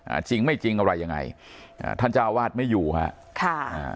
จริงไม่จริงอะไรยังไงอ่าท่านเจ้าวาดไม่อยู่ฮะค่ะอ่า